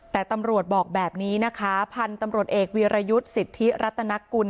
แต่ตำรวจบอกแบบนี้นะคะพันธุ์ตำรวจเอกวีรยุทธ์สิทธิรัตนกุล